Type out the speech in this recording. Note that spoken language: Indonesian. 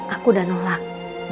aku udah nolak